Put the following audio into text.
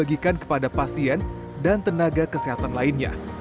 sebagai makanan yang akan diberikan kepada pasien dan tenaga kesehatan lainnya